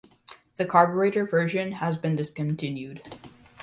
The carburettor version has been discontinued.